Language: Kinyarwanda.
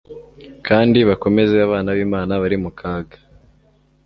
kandi bakomeze abana b'Imana bari mu kaga,